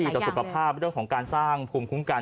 จะสุขภาพไม่ต้องของการสร้างภูมิคุ้งกัน